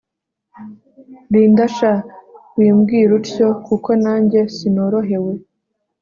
Linda sha wimbwirutyo kuko nanjye sinorohewe